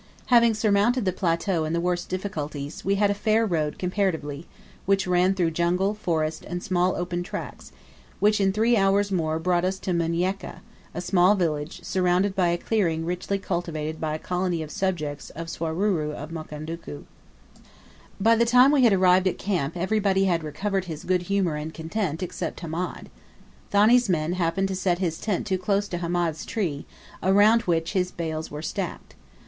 Having surmounted the plateau and the worst difficulties, we had a fair road comparatively, which ran through jungle, forest, and small open tracts, which in three hours more brought us to Munieka, a small village, surrounded by a clearing richly cultivated by a colony of subjects of Swaruru of Mukondoku. By the time we had arrived at camp everybody had recovered his good humour and content except Hamed. Thani's men happened to set his tent too close to Hamed's tree, around which his bales were stacked.